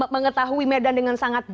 mengetahui medan dengan sangat